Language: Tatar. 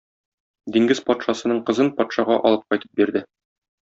Диңгез патшасының кызын патшага алып кайтып бирде.